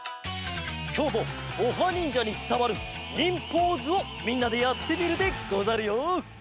きょうもオハにんじゃにつたわる忍ポーズをみんなでやってみるでござるよ。